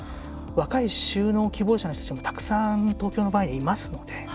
若い就農希望者の人たちもたくさん東京の場合はいますので。